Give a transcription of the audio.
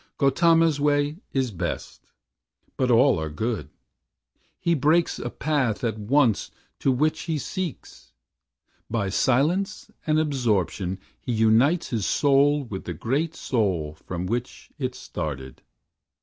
Gautama's way is best, but all are good. He breaks a path at once to what he seeks. By silence and absorption he unites His soul with the great sould from which it started.